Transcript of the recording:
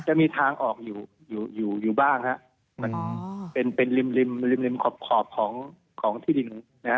จะมีทางออกฯอยู่บ้างฮะเป็นริ่มขอบของที่ดิน